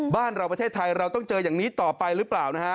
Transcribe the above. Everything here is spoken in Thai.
บ้านเราประเทศไทยเราต้องเจออย่างนี้ต่อไปหรือเปล่านะฮะ